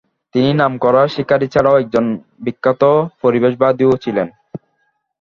তিনি নামকরা শিকারী ছাড়াও একজন বিখ্যাত পরিবেশবাদীও ছিলেন।